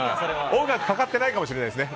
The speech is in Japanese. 音楽かかっていないかもしれないですね。